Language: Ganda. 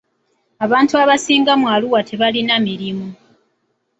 Abantu abasinga mu Arua tebalina mirimu.